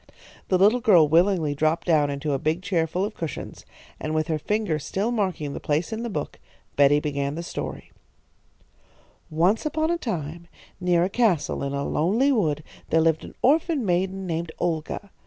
The little girl willingly dropped down into a big chair full of cushions, and with her finger still marking the place in the book, Betty began the story: "Once upon a time, near a castle in a lonely wood, there lived an orphan maiden named Olga.